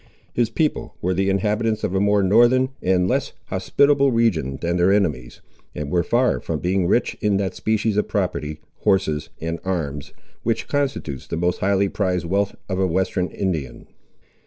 His people were the inhabitants of a more northern and less hospitable region than their enemies, and were far from being rich in that species of property, horses and arms, which constitutes the most highly prized wealth of a western Indian.